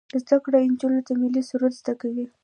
زده کړه نجونو ته د ملي سرود زده کوي.